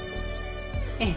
ええ。